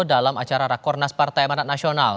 dalam acara rakornas partai amanat nasional